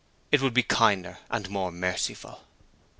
It would be kinder and more merciful.